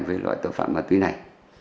về loại tội phạm ma túy này